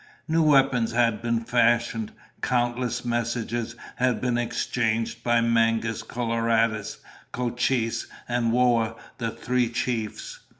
New weapons had been fashioned. Countless messages had been exchanged by Mangus Coloradus, Cochise, and Whoa, the three chiefs.